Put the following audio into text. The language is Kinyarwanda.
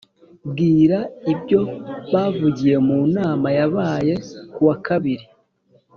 Bwira ibyo bavugiye mu nama yabaye kuwa kabiri